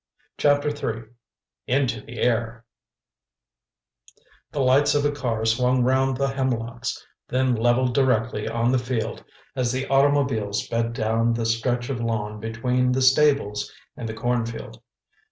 Chapter III INTO THE AIR The lights of a car swung round the hemlocks, then levelled directly on the field as the automobile sped down the stretch of lawn between the stables and the cornfield.